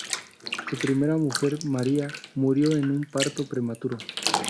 Su primera mujer María murió en un parto prematuro.